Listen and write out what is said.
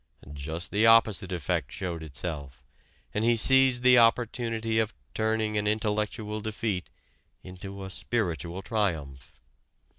Just the opposite effect showed itself and he seized the opportunity of turning an intellectual defeat into a spiritual triumph.